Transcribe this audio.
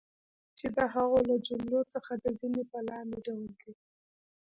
چی د هغو له جملی څخه د ځینی په لاندی ډول دی